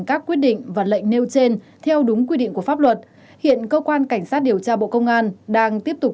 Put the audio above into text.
các quyết định và lệnh nêu trên theo đúng quy định của pháp luật hiện cơ quan cảnh sát điều tra bộ công an đang tiếp tục